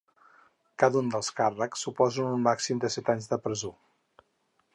Cada un dels càrrecs suposen un màxim de set anys de presó.